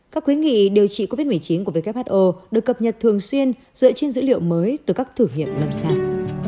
các quyến nghị điều trị covid một mươi chín của who được cập nhật thường xuyên dựa trên dữ liệu mới từ các thử nghiệm lâm sàng